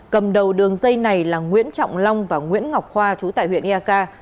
cầm đầu đường dây này là nguyễn trọng long và nguyễn ngọc khoa trú tại huyện ia ca